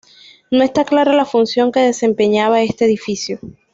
No está clara la función que desempeñaba este edificio.